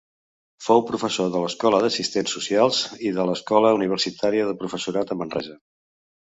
Fou professor de l'Escola d'Assistents Socials i de l'Escola Universitària de Professorat a Manresa.